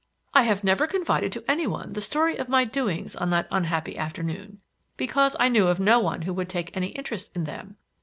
"I have never confided to any one the story of my doings on that unhappy afternoon, because I knew of no one who would take any interest in them.